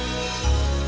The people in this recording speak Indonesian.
ngapain lewat situ